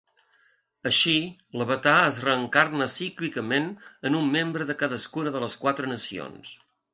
Així, l'Avatar es reencarna cíclicament en un membre de cadascuna de les quatre nacions.